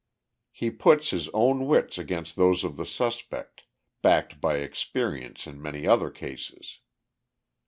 He puts his own wits against those of the suspect, backed by experience in many other cases.